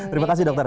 terima kasih dokter